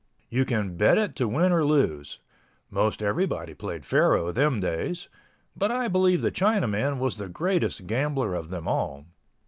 You can bet it to win or lose. Most everybody played faro them days—but I believe the Chinaman was the greatest gambler of them all.